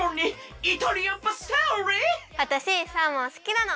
わたしサーモンすきなの！